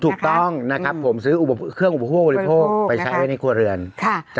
ถูกต้องนะครับผมซื้อเครื่องอุปโภคบริโภคไปใช้ไว้ในครัวเรือนค่ะ